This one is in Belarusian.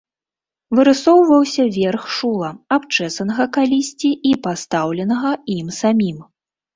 Вырысоўваўся верх шула, абчэсанага калісьці і пастаўленага ім самім.